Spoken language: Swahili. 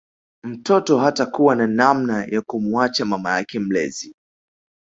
Mtoto hatakuwa na namna ya kumuacha mama yake mlezi